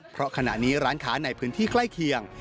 เพราะขณะนี้ร้านค้าในพื้นที่ใกล้เคียง